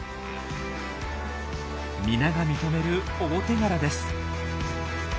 皆が認める大手柄です。